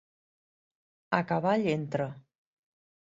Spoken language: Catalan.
A cavall entre.